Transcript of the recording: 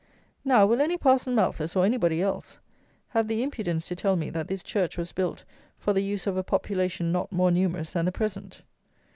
Now, will any Parson Malthus, or anybody else, have the impudence to tell me that this church was built for the use of a population not more numerous than the present?